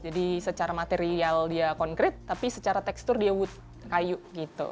jadi secara material dia concrete tapi secara tekstur dia wood kayu gitu